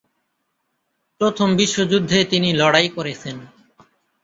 প্রথম বিশ্বযুদ্ধে তিনি লড়াই করেছেন।